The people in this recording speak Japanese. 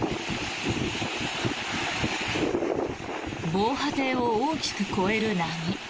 防波堤を大きく超える波。